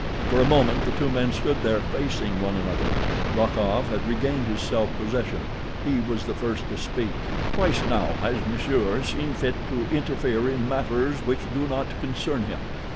For a moment the two men stood there facing one another. Rokoff had regained his self possession. He was the first to speak. "Twice now has monsieur seen fit to interfere in matters which do not concern him.